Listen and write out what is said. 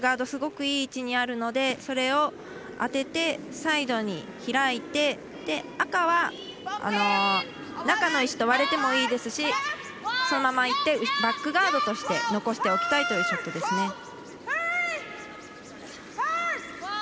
すごくいい位置にあるので、それを当ててサイドに開いて赤は中の石と割れてもいいですしそのままいってバックガードとして残しておきたいというショットですね。